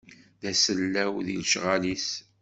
D tasellawt di lecɣal-is.